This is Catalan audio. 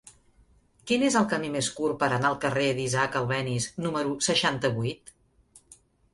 Quin és el camí més curt per anar al carrer d'Isaac Albéniz número seixanta-vuit?